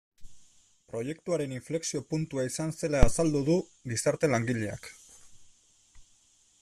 Proiektuaren inflexio puntua izan zela azaldu du gizarte langileak.